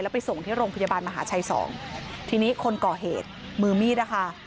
ไปส่งที่โรงพยาบาลมหาชัยสองทีนี้คนก่อเหตุมือมีดนะคะ